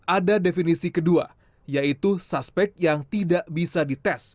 ada definisi kedua yaitu suspek yang tidak bisa dites